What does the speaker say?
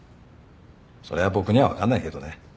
それは僕には分かんないけどね。